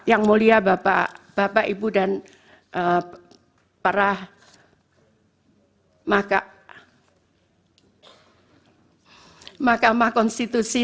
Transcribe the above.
yang mulia bapak bapak ibu dan para makamah konstitusi